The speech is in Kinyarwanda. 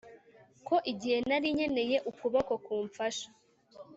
ko igihe nari nkeneye ukuboko kumfasha,